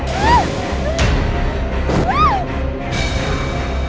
sepertinya ada ruangan lain